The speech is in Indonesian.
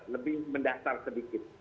lebih mendasar sedikit